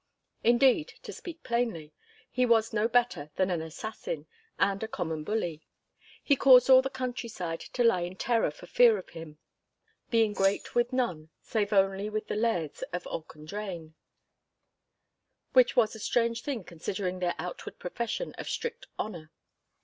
Indeed, to speak plainly, he was no better than an assassin and a common bully. He caused all the country side to lie in terror for fear of him, being great with none, save only with the Lairds of Auchendrayne,—which was a strange thing considering their outward profession of strict honour.